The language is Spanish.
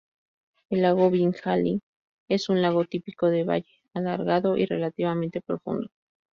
El lago Viljandi es un lago típico de valle: alargado y relativamente profundo.